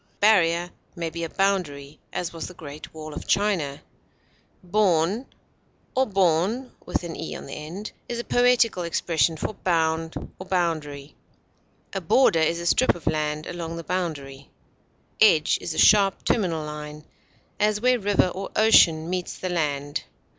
A barrier may be a boundary, as was the Great Wall of China. Bourn, or bourne, is a poetical expression for bound or boundary. A border is a strip of land along the boundary. Edge is a sharp terminal line, as where river or ocean meets the land.